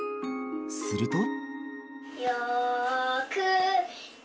すると。